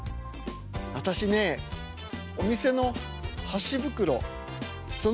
私ねお店の箸袋その裏にね